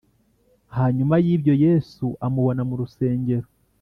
Hanyuma y ibyo yesu amubona mu rusengero